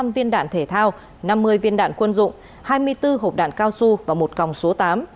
hai trăm linh viên đạn thể thao năm mươi viên đạn quân dụng hai mươi bốn hộp đạn cao su và một còng số tám